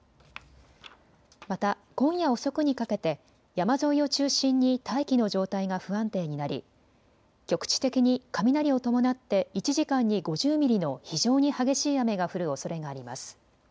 また今夜遅くにかけて山沿いを中心に大気の状態が不安定になり局地的に雷を伴って１時間に５０ミリの非常に激しい雨が降るおそれがあります。